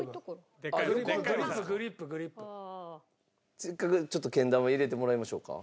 せっかくちょっとけん玉入れてもらいましょうか。